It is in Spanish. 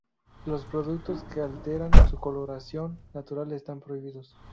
Los productos que alteran su coloración natural están prohibidos.